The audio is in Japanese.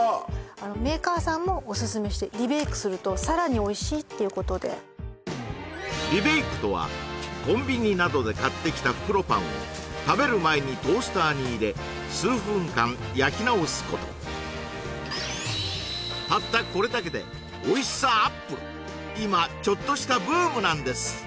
メーカーさんもオススメしてっていうことでリベイクとはコンビニなどで買ってきた袋パンを食べる前にトースターに入れ数分間焼き直すことたったこれだけで今ちょっとしたブームなんです